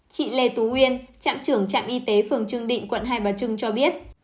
chị lê tú uyên trạm trưởng trạm y tế phường trương định quận hai bà trưng cho biết